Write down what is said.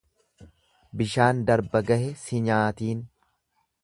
Bishaan darba gahe si nyaatiin.